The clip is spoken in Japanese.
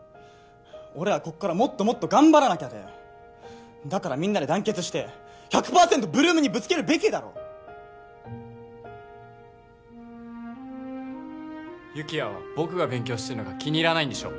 俺らこっからもっともっと頑張らなきゃでだからみんなで団結して１００％８ＬＯＯＭにぶつけるべきだろ有起哉は僕が勉強してるのが気に入らないんでしょ？